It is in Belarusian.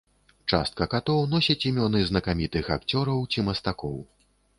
Частка катоў носяць імёны знакамітых акцёраў ці мастакоў.